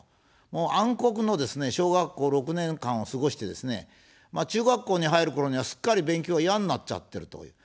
もう暗黒のですね、小学校６年間を過ごしてですね、中学校に入るころには、すっかり勉強が嫌になっちゃっているという。